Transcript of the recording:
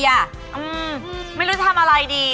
อืมไม่รู้ทำอะไรดี